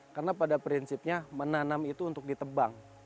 karena pada prinsipnya menanam itu untuk ditebang